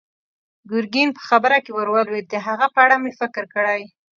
ګرګين په خبره کې ور ولوېد: د هغه په اړه مې فکر کړی.